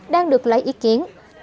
đang được lấy ý kiến